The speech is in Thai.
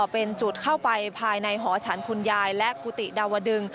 เป็นจุดเข้าไปภายในหอฉันคุณยายและกุฏิดาวดึง